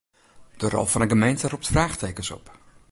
De rol fan 'e gemeente ropt fraachtekens op.